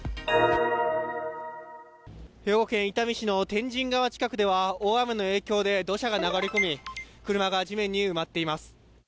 兵庫県伊丹市の天神川近くでは大雨の影響で土砂が流れ込み、車が地面に埋まっています。